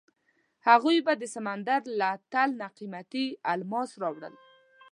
هغوی به د سمندر له تل نه قیمتي الماس راوړل.